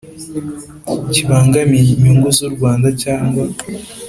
Kibangamiye inyungu z u rwanda cyangwa